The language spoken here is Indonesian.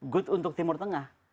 good untuk timur tengah